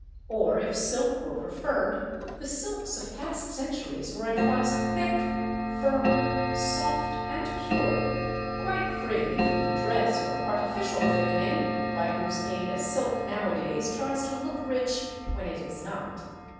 Or if silk were preferred, the silks of past centuries were at once thick, firm, soft and pure, quite free from the dress or artificial thickening, by whose aid a silk nowadays tries to look rich when it is not.